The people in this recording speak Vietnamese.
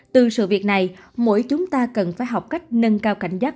từ sự việc này mỗi chúng ta cần phải học cách nâng cao cảnh giác